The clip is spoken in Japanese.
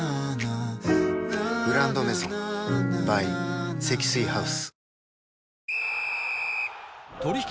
「グランドメゾン」ｂｙ 積水ハウス